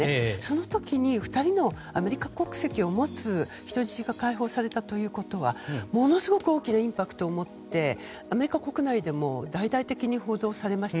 その時にアメリカ国籍を持つ人質が解放されたことはインパクトを持ってアメリカ国内でも大々的に報道されました。